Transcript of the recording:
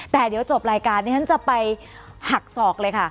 แต่เดี๋ยวจบรายการนี้ฉันจะไปหักศอกเลยค่ะ